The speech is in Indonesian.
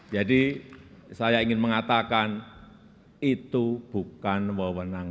jadi saya ingin mengatakan itu bukan wawanan